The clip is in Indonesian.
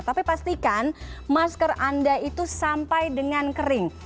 tapi pastikan masker anda itu sampai dengan kering